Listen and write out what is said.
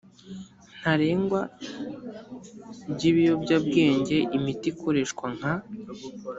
ntarengwa by ibiyobyabwenge imiti ikoreshwa nka